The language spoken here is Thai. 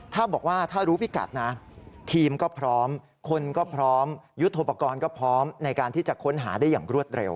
ถ้าบอกว่าถ้ารู้พิกัดนะทีมก็พร้อมคนก็พร้อมยุทธโปรกรณ์ก็พร้อมในการที่จะค้นหาได้อย่างรวดเร็ว